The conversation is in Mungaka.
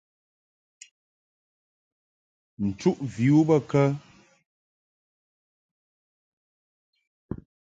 Nchuʼ vi u bə kə ɛ ?